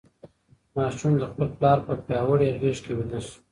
ماشوم د خپل پلار په پیاوړې غېږ کې ویده شو.